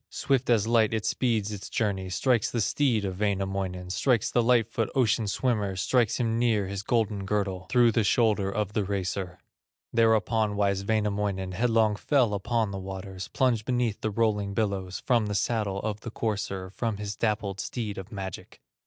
Swift as light it speeds its journey, Strikes the steed of Wainamoinen, Strikes the light foot, ocean swimmer, Strikes him near his golden girdle, Through the shoulder of the racer. Thereupon wise Wainamoinen Headlong fell upon the waters, Plunged beneath the rolling billows, From the saddle of the courser, From his dappled steed of magic.